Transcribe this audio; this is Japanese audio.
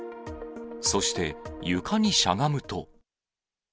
そして床にしゃがむと。